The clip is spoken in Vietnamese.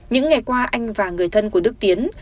những ngày qua anh và người thân của đức tiến